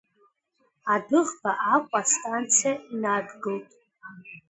Адәыӷба Аҟәа астанциа инадгылт.